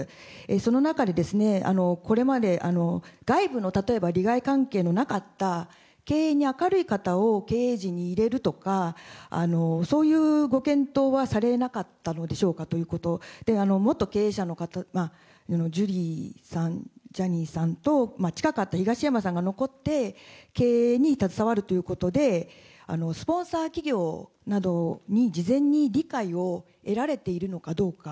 その中で、これまで外部の例えば、利害関係のなかった経営に明るい方を経営陣に入れるとか、そういうご検討はされなかったのでしょうかということ、元経営者の方、まあ、ジュリーさん、ジャニーさんと近かった東山さんが残って、経営に携わるということで、スポンサー企業などに事前に理解を得られているのかどうか。